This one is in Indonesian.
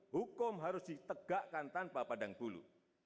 hukum harus ditegakkan tanpa pandang bulu